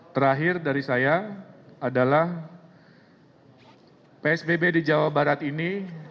terakhir dari saya adalah psbb di jawa barat ini